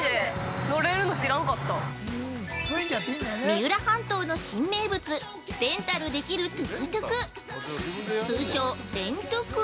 ◆三浦半島の新名物、レンタルできるトゥクトゥク！